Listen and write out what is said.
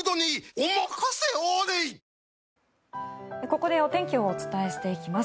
ここでお天気をお伝えしていきます。